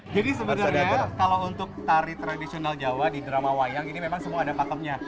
jadi sebenarnya kalau untuk tari tradisional jawa di drama wayang ini memang semua ada pakemnya